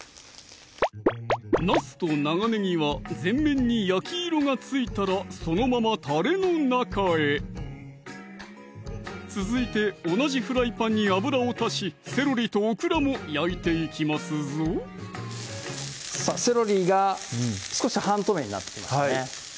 なすと長ねぎは全面に焼き色がついたらそのままたれの中へ続いて同じフライパンに油を足しセロリとオクラも焼いていきますぞさぁセロリが少し半透明になってきましたね